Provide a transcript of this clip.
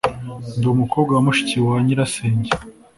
Ndi umukobwa wa mushiki wa nyirasenge.